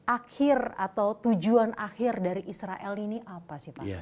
akhir atau tujuan akhir dari israel ini apa sih pak